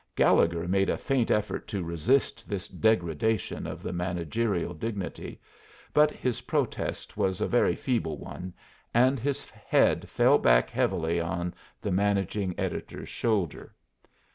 Gallegher made a faint effort to resist this degradation of the managerial dignity; but his protest was a very feeble one, and his head fell back heavily oh the managing editor's shoulder.